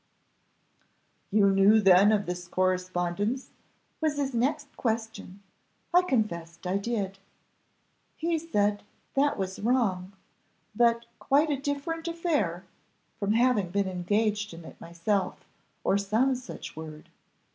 "'You knew then of this correspondence?' was his next question. I confessed I did. He said that was wrong, 'but quite a different affair' from having been engaged in it myself, or some such word.